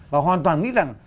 và hoàn toàn nghĩ rằng